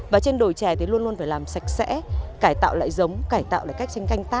và trên đồi chè thì luôn luôn phải làm sạch sẽ cải tạo lại giống cải tạo lại cách tranh canh tác